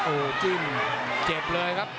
โอ้โหจิ้มเจ็บเลยครับ